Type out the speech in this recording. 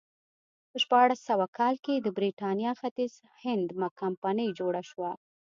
په شپاړس سوه کال کې د برېټانیا ختیځ هند کمپنۍ جوړه شوه.